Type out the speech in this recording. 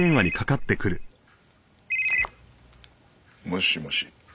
もしもし。